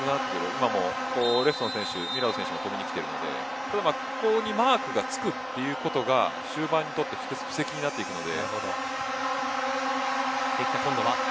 今もレフトのミラド選手が取りにきているのでここにマークがつくということが終盤になって布石になっていくので。